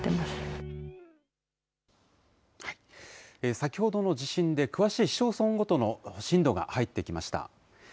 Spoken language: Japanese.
先ほどの地震で、詳しい市町村ごとの震度が入ってきました。